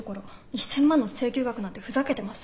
１，０００万の請求額なんてふざけてます。